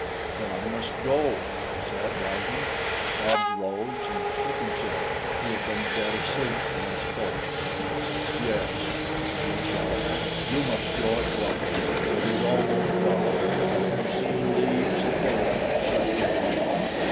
"Then I must go," I said, rising. Nobs rose and shook himself. He had been dead asleep when I spoke. "Yes," agreed Chal az, "you must go at once. It is almost dawn. Du seen leaves at daylight to search for her."